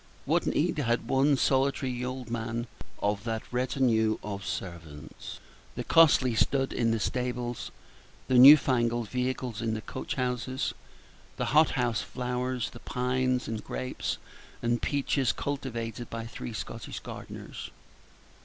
What need had one solitary old man of that retinue of servants, the costly stud in the stables, the new fangled vehicles in the coach houses, the hot house flowers, the pines, and grapes, and peaches, cultivated by three Scottish gardeners?